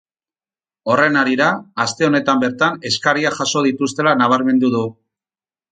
Horren harira, aste honetan bertan eskariak jaso dituztela nabarmendu du.